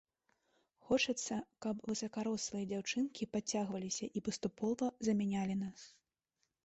Хочацца, каб высакарослыя дзяўчынкі падцягваліся і паступова замянялі нас.